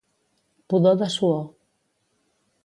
Pudor de suor.